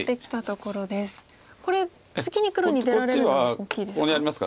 これ次に黒に出られるの大きいですか？